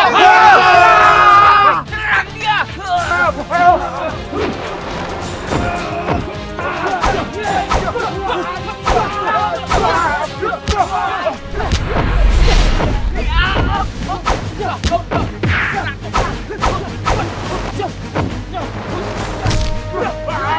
masih mau coba aku